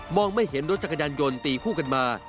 ไม่เห็นรถจักรยานยนต์ตีคู่กันมา